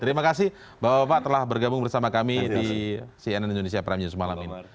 terima kasih bapak bapak telah bergabung bersama kami di cnn indonesia prime news malam ini